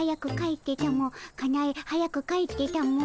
かなえ早く帰ってたも。